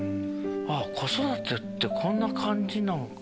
子育てってこんな感じなんか。